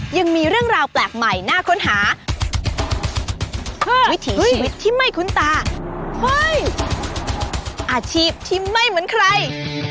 ยังมีเรื่องราวแปลกใหม่น่าค้นหาวิถีชีวิตที่ไม่คุ้นตาเฮ้ยอาชีพที่ไม่เหมือนใคร